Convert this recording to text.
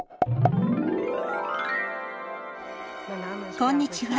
こんにちは。